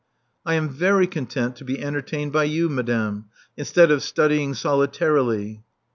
I am very content to be entertained by you, madame, instead of studying solitarily."